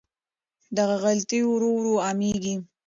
دغه غلطۍ ورو ورو عامېږي.